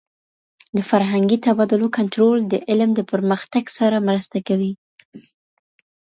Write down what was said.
د فرهنګي تبادلو کنټرول د علم د پرمختګ سره مرسته کوي.